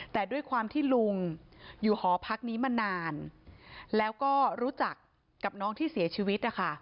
แต่ด้วยความที่ลุงอยู่หอพักนี้มานานแล้วก็รู้จักกับน้องที่เสียชีวิตนะคะ